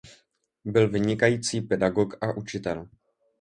Byl vynikající pedagog a učitel.